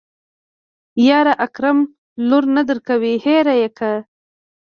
يره اکرم لور نه درکوي هېره يې که.